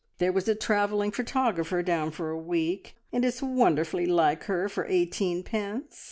There was a travelling photographer down for a week, and it's wonderfully like her for eighteenpence.